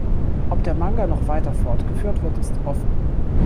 Ob der Manga noch weiter fortgeführt wird, ist offen.